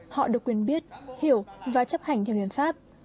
họ được quyền biết hiểu và chấp hành theo hiến pháp